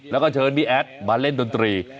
แล้วก็เชิญพี่แอดมาเล่นดนตรี